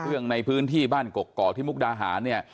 เรื่องในพื้นที่บ้านกรกกรที่มุกดาหาเนี่ย